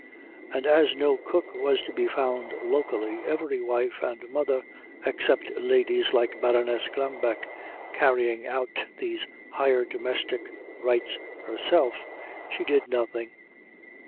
And as no cook was to be found locally, every wife and mother except ladies like Baroness Glambeck carrying out these higher domestic rites herself, she did nothing.